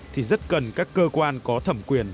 thì rất cần các cơ quan có thẩm quyền